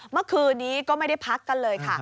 เมื่อคืนนี้ก็ไม่ได้พักกันเลยค่ะ